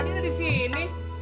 tadi kan di sini